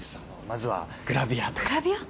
まずはグラビアとかグラビア！？